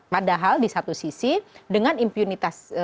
padahal di satu sisi dengan impunitas